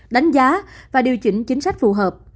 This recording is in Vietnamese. đánh giá và điều chỉnh chính sách phù hợp